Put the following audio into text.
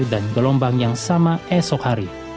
dan gelombang yang sama esok hari